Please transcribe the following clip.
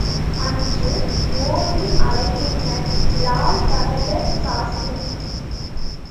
அன்று ஓ.வி.அளகேசன், லால்பகதர் சாஸ்திரி!